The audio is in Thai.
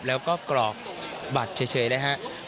แล้วก็กรอกบัตรเฉยนะครับ